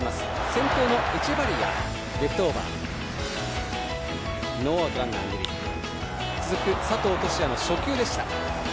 先頭のエチェバリアレフトオーバーでノーアウトランナー、二塁で続く佐藤都志也の初球でした。